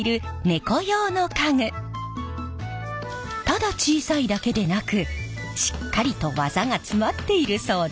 ただ小さいだけでなくしっかりと技が詰まっているそうで。